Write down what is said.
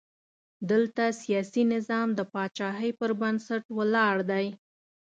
دلته سیاسي نظام د پاچاهۍ پر بنسټ ولاړ دی.